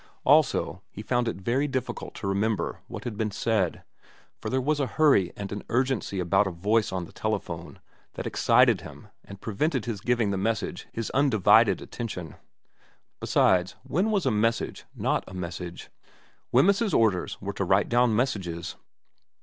Also he found it very difficult to remember what had been said, for there was a hurry and an urgency about a voice on the telephone that excited him and prevented his giving the message his undivided attention. Besides, when was a message not a message ? Wemyss's orders were to write down messages.